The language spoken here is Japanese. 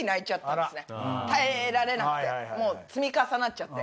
耐えられなくてもう積み重なっちゃって。